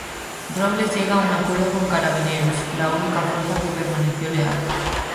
Robles llega a un acuerdo con Carabineros, la única fuerza que permaneció leal.